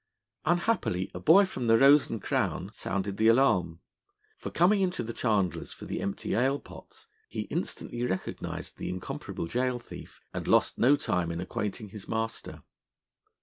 Unhappily, a boy from the 'Rose and Crown' sounded the alarm; for coming into the chandler's for the empty ale pots, he instantly recognised the incomparable gaol thief, and lost no time in acquainting his master.